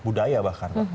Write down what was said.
budaya bahkan pak